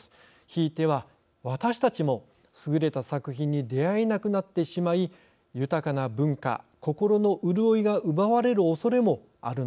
ひいては私たちも優れた作品に出会えなくなってしまい豊かな文化心の潤いが奪われるおそれもあるのです。